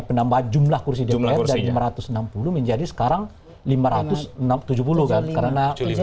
penambahan jumlah kursi dpr dari lima ratus enam puluh menjadi sekarang lima ratus tujuh puluh kan